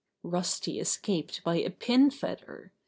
Rusty escaped by a pin feather.